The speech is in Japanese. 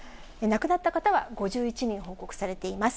亡くなった方は、５１人報告されています。